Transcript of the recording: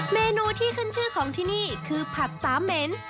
เมนูที่ขึ้นชื่อของที่นี่คือผักสามเหม็น